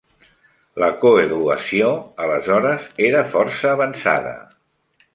La coeduació aleshores era força avançada.